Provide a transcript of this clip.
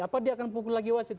apa dia akan pukul lagi wasit